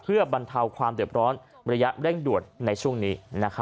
เพื่อบรรเทาความเด็บร้อนระยะเร่งด่วนในช่วงนี้